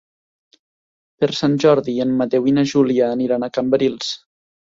Per Sant Jordi en Mateu i na Júlia aniran a Cambrils.